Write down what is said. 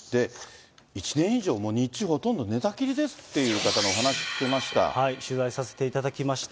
１年以上、日中、ほとんど寝たきりですっていう方のお話を聞きま取材させていただきました。